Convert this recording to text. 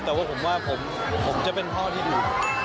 แต่ว่าผมจะเป็นท่อที่ดู